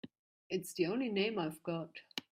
It's the only name I've got.